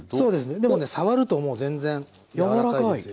でもね触るともう全然柔らかいですよ。